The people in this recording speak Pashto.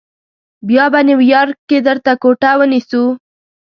بیا به نیویارک کې درته کوټه ونیسو.